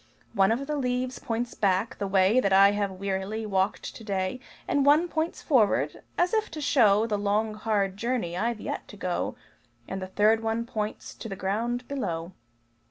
One of the leaves points back, the way That I have wearily walked to day; One points forward as if to show The long, hard journey I've yet to go; And the third one points to the ground below.